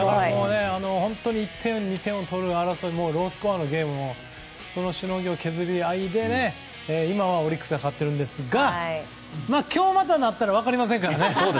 本当に１点、２点を争うロースコアのゲームのしのぎあいで今はオリックスが勝っているんですが、今日は分かりませんからね。